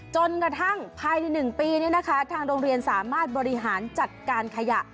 จนกระทั่งภายใน๑ปีทางโรงเรียนสามารถบริหารจัดการขยะ